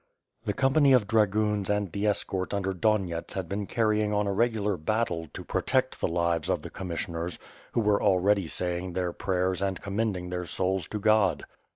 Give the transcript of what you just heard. The company of dragoons and the es cort under Donyets had been carrying on a regular battle to protect the lives of the commissioners, who were already saying their prayers and commending their souls to God.